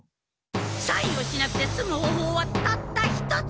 サインをしなくてすむほうほうはたった一つ！